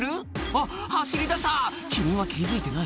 あっ走り出したキリンは気付いてない？